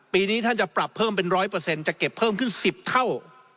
ปีนี้ท่านจะปรับเพิ่มเป็น๑๐๐จะเก็บเพิ่มขึ้น๑๐เท่า